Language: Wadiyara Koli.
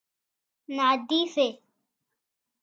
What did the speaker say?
نادي سي